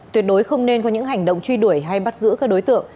tuyệt đối không nên có những hành động truy đuổi hay bắt giữ các đối tượng